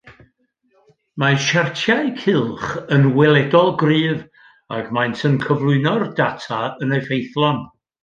Mae siartiau cylch yn weledol gryf ac maent yn cyflwyno'r data yn effeithlon